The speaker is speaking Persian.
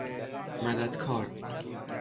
مددکار